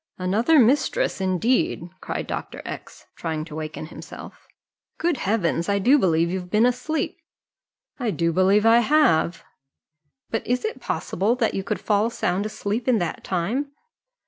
"Another mistress, indeed!" cried Dr. X , trying to waken himself. "Good Heavens! I do believe you've been asleep." "I do believe I have." "But is it possible that you could fall sound asleep in that time?"